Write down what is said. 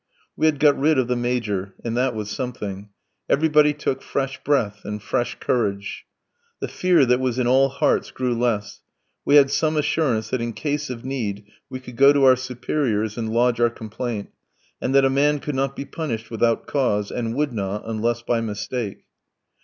We had got rid of the Major, and that was something; everybody took fresh breath and fresh courage. The fear that was in all hearts grew less; we had some assurance that in case of need we could go to our superiors and lodge our complaint, and that a man could not be punished without cause, and would not, unless by mistake.